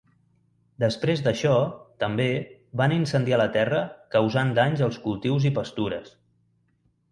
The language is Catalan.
Després d'això, també, van incendiar la terra causant danys als cultius i pastures.